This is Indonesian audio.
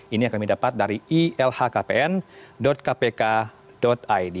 ini yang kami dapat dari ilhkpn kpk id